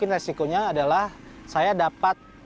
resikonya adalah saya dapat